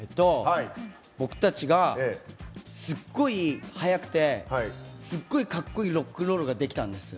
僕たちがすっごい速くてすっごいかっこいいロックンロールが出来たんです